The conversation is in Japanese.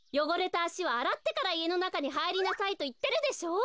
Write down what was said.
あしをあらってからいえのなかにはいりなさいといってるでしょう。